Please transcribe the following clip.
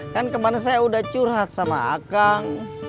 kan kemana saya udah curhat sama kak